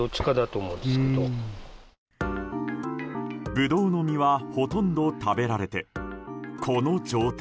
ブドウの実はほとんど食べられて、この状態。